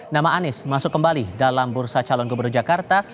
nama anies masuk kembali dalam bursa calon gubernur jakarta